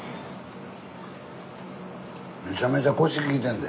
めちゃめちゃコシきいてんで。